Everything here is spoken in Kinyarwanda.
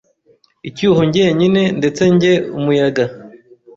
icyuho njyenyine ndetse njye umuyaga